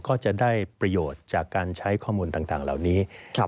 ก็จะได้ประโยชน์จากการใช้ข้อมูลต่างเหล่านี้